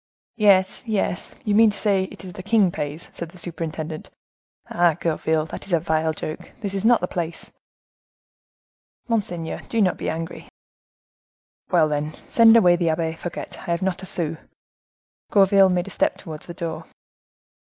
"Yes, yes, you mean to say it is the king pays," said the superintendent. "Ah, Gourville, that is a vile joke; this is not the place." "Monseigneur, do not be angry." "Well, then, send away the Abbe Fouquet; I have not a sou." Gourville made a step towards the door.